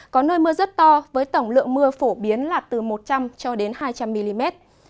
có nơi mưa rất to với tổng lượng mưa phổ biến là từ một trăm linh cho đến hai trăm linh mm